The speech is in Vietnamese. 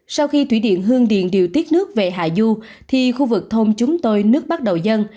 sau khi thủy điện hương điền điều tiết nước về hà du thì khu vực thôn chúng tôi nước bắt đầu dân